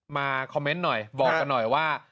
มาคอมเมนต์หน่อยบอกกันหน่อยว่า